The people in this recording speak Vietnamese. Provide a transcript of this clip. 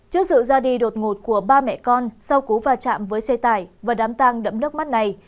trước sự ra đi đột ngột của ba mẹ con sau cú va chạm với xe tải và đám tang đẫm nước mắt này